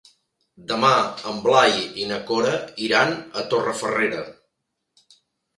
Demà en Blai i na Cora iran a Torrefarrera.